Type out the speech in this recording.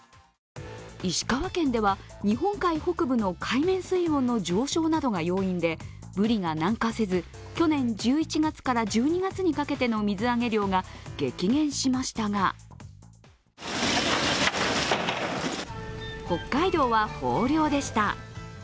石川県では日本海北部の海面水温の上昇などが要因でブリが南下せず、去年１１月から１２月にかけての水揚げ量が激減しましたが北海道は豊漁でした。